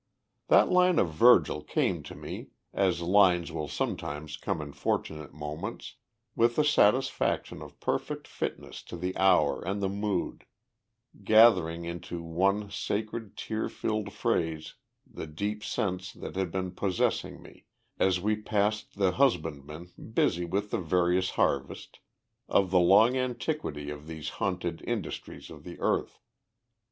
That line of Virgil came to me, as lines will sometimes come in fortunate moments, with the satisfaction of perfect fitness to the hour and the mood, gathering into one sacred, tear filled phrase the deep sense that had been possessing me, as we passed the husbandmen busy with the various harvest, of the long antiquity of these haunted industries of the earth.